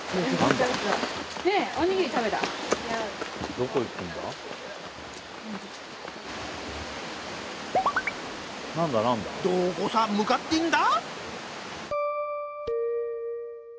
どこさ向かってんだ？